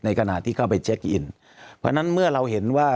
ขณะที่เข้าไปเช็คอินเพราะฉะนั้นเมื่อเราเห็นว่า